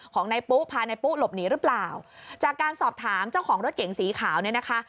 ของนายปุ๊พานายปุ๊หลบหนีหรือเปล่าจากการสอบถามเจ้าของรถเก๋งสีขาวเนี่ยนะคะ